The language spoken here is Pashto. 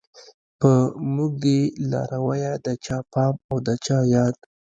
په موږ دی لارويه د چا پام او د چا ياد